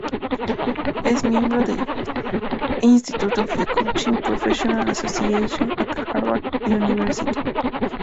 Es miembro de Institute of Coaching Professional Association at Harvard University.